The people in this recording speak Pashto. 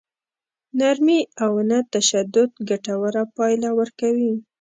نرمي او نه تشدد ګټوره پايله ورکوي.